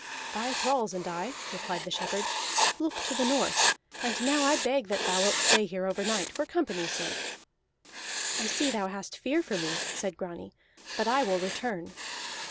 "Thy thralls and I," replied the shepherd, "look to the north. And now I beg that thou wilt stay here overnight, for company's sake." "I see thou hast fear for me," said Grani. "But I will return."